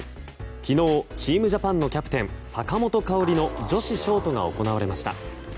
昨日、チームジャパンのキャプテン、坂本花織の女子ショートが行われました。